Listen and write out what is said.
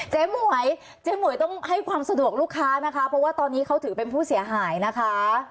หมวยเจ๊หมวยต้องให้ความสะดวกลูกค้านะคะเพราะว่าตอนนี้เขาถือเป็นผู้เสียหายนะคะ